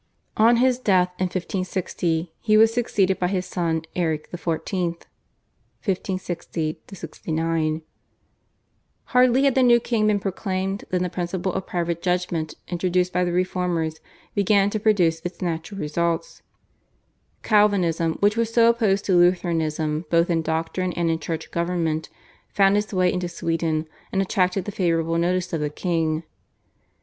On his death in 1560 he was succeeded by his son Erik XIV. (1560 9). Hardly had the new king been proclaimed than the principle of private judgment introduced by the reformers began to produce its natural results. Calvinism, which was so opposed to Lutheranism both in doctrine and in church government, found its way into Sweden, and attracted the favourable notice of the king.